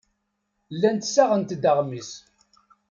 Llant ssaɣent-d aɣmis.